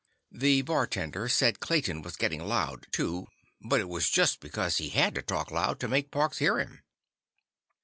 The bartender said Clayton was getting loud, too, but it was just because he had to talk loud to make Parks hear him.